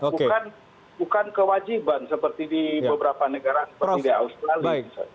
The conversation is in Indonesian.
bukan kewajiban seperti di beberapa negara seperti di australia